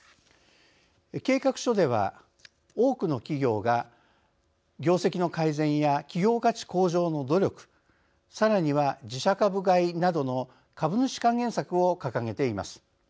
計画書では、多くの企業が業績の改善や企業価値向上の努力さらには自社株買いなどの株主還元策を掲げています。